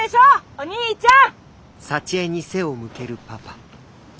お兄ちゃん！